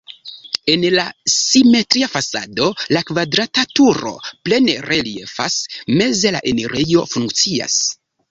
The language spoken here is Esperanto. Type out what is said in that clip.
En la simetria fasado la kvadrata turo plene reliefas, meze la enirejo funkcias.